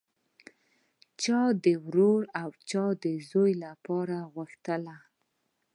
چا د ورور او چا د زوی لپاره غوښتله